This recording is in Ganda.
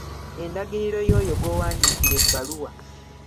Endagiriro y'oyo gw'owandiikira ebbaluwa.